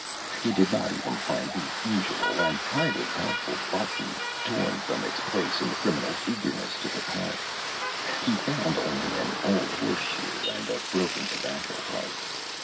He did not even find the usual and highly helpful button, torn from its place in the criminal's eagerness to depart. He found only an old horseshoe and a broken tobacco pipe.